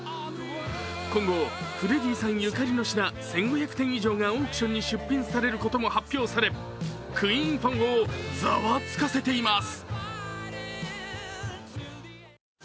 今後、フレディさんゆかりの品１５００点以上がオークションに出品されることも発表されＱＵＥＥＮファンをざわつかせています